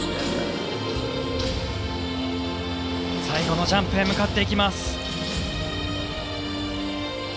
最後のジャンプへ向かっていきます。